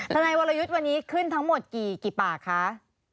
นายวรยุทธ์วันนี้ขึ้นทั้งหมดกี่ปากคะ